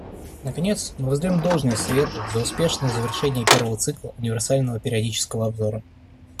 Наконец, мы воздаем должное Совету за успешное завершение первого цикла универсального периодического обзора.